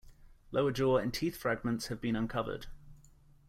Lower jaw and teeth fragments have been uncovered.